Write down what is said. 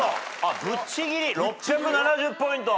ぶっちぎり６７０ポイント。